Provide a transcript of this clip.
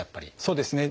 そうですね。